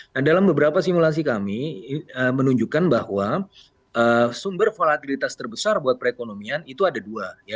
nah dalam beberapa simulasi kami menunjukkan bahwa sumber volatilitas terbesar buat perekonomian itu ada dua